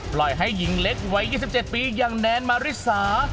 ปล่อยให้หญิงเล็กวัย๒๗ปีอย่างแนนมาริสา